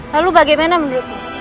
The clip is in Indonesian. lalu bagaimana menurutmu